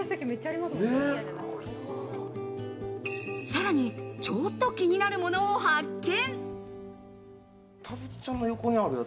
さらに、ちょっと気になるものを発見。